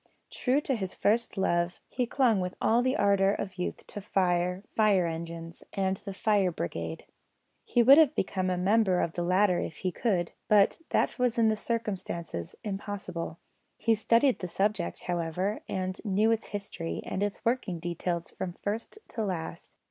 True to his first love, he clung with all the ardour of youth to fire, fire engines, and the fire brigade. He would have become a member of the latter if he could, but that was in the circumstances impossible. He studied the subject, however, and knew its history and its working details from first to last.